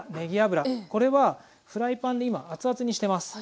これはフライパンで今熱々にしてます。